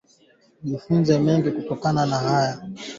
ufugaji wa kuhamahama uhamaji wa kila msimu na mifumomseto